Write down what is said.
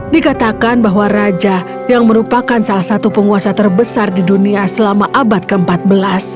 dikatakan bahwa raja yang merupakan salah satu penguasa terbesar di dunia selama abad ke empat belas